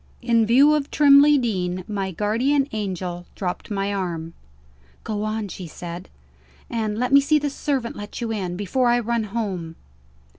In view of Trimley Deen, my guardian angel dropped my arm. "Go on," she said, "and let me see the servant let you in, before I run home."